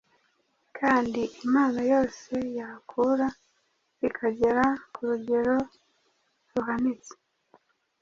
kandi impano yose yakura ikagera ku rugero ruhanitse.